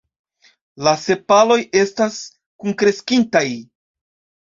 La sepaloj estas kunkreskintaj.